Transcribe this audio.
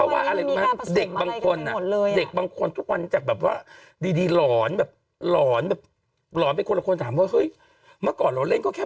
เพราะว่าอันนี้มันมีค่าผสมอะไรกันทั้งหมดเลย